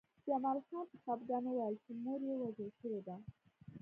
جمال خان په خپګان وویل چې مور یې وژل شوې ده